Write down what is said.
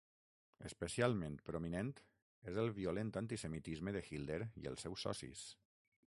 Especialment prominent és el violent antisemitisme de Hitler i els seus socis.